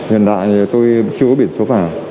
hiện đại thì tôi chưa có biển số vàng